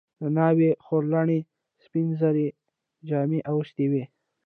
د ناوې خورلڼې سپین زري جامې اغوستې وې.